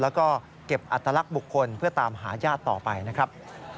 แล้วก็เก็บอัตลักษณ์บุคคลเพื่อตามหาญาติต่อไปนะครับ